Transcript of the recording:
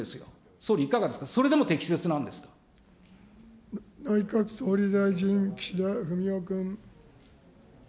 総理、いかがですか、それでも適内閣総理大臣、岸田文雄君。